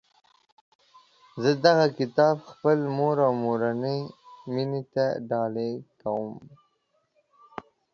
زه دغه کتاب خپلي مور او مورنۍ میني ته ډالۍ کوم